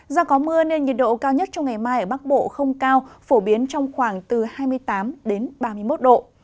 do có mưa nên nhiệt độ cao nhất trong ngày mai ở bắc bộ không cao phổ biến trong khoảng từ hai mươi tám ba mươi một độ